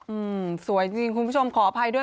อืมสวยจริงคุณผู้ชมขออภัยด้วย